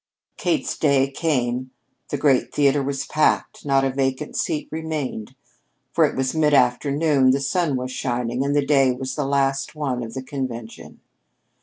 Kate's day came. The great theater was packed not a vacant seat remained. For it was mid afternoon, the sun was shining, and the day was the last one of the convention.